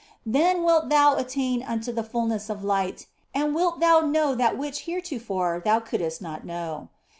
Then wilt thou attain unto the fulness of light, and wilt thou know that which heretofore thou couldst not know.